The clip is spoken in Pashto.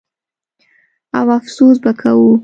او افسوس به کوو.